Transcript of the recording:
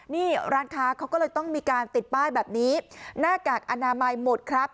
นี่ร้านค้าเขาก็เลยต้องมีการติดป้ายแบบนี้หน้ากากอนามัยหมดครับ